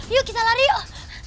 yuk kita lari yuk